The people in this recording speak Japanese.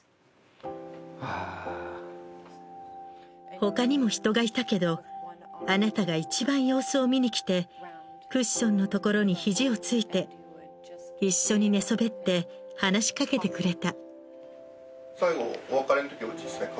他にも人がいたけどあなたが一番様子を見に来てクッションの所に肘をついて一緒に寝そべって話し掛けてくれた。